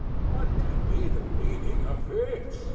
"What can be the meaning of this?"